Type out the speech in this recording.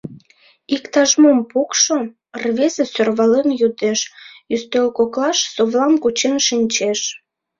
Иктаж-мом пукшо, — рвезе сӧрвален йодеш, ӱстел коклаш совлам кучен шинчеш.